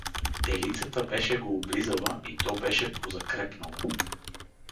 Телицата беше го облизала и то беше позакрепнало.